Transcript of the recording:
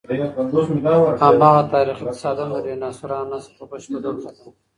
هماغه تاریخي تصادم د ډیناسورانو نسل په بشپړ ډول ختم کړ.